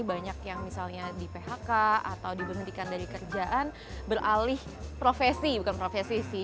banyak yang misalnya di phk atau diberhentikan dari kerjaan beralih profesi bukan profesi sih